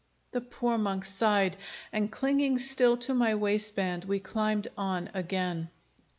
The poor monk sighed, and clinging still to my waist band, we climbed on again.